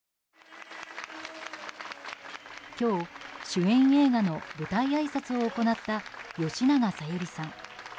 今日、主演映画の舞台あいさつを行った吉永小百合さん。